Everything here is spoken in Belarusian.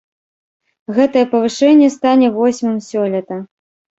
Гэтае павышэнне стане восьмым сёлета.